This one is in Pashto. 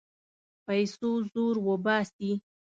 پیسو زور وباسي.